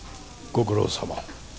ご苦労さま。